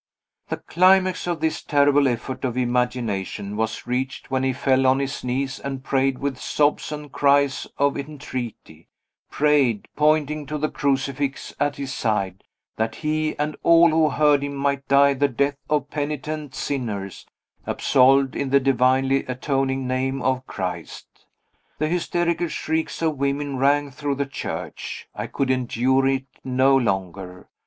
The climax of this terrible effort of imagination was reached when he fell on his knees and prayed with sobs and cries of entreaty prayed, pointing to the crucifix at his side that he and all who heard him might die the death of penitent sinners, absolved in the divinely atoning name of Christ. The hysterical shrieks of women rang through the church. I could endure it no longer.